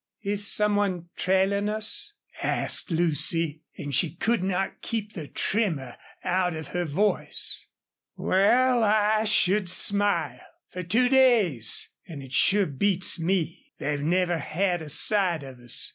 "Is some one trailing us?" asked Lucy, and she could not keep the tremor out of her voice. "Wal, I should smile! Fer two days an' it sure beats me. They've never had a sight of us.